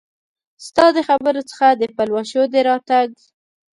ستا د خبرو څخه د پلوشو د راتګ